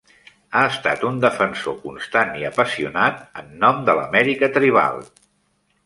Ha estat un defensor constant i apassionat en nom de l'Amèrica tribal.